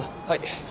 はい。